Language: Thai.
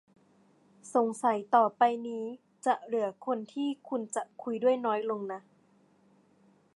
สงสัยต่อไปนี้ จะเหลือคนที่คุณจะคุยด้วยน้อยลงนะ